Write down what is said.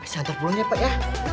saya antar pulangnya pak ya